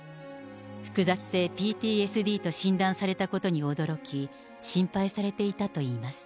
複雑性ＰＴＳＤと診断されたことに驚き、心配されていたといいます。